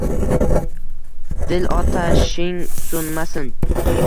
Dil otashing so’nmasin.